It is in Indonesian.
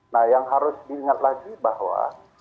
nah yang harus diingat lagi bahwa